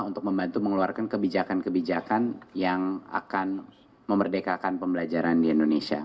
untuk membantu mengeluarkan kebijakan kebijakan yang akan memerdekakan pembelajaran di indonesia